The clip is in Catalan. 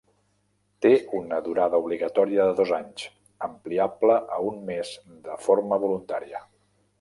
Té una durada obligatòria de dos anys, ampliable a un més de forma voluntària.